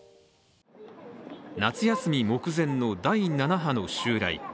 夏休み目前の第７波の襲来。